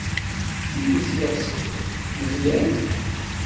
D tidet yeɣs-it Meẓyan?